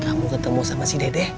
kamu ketemu sama si dede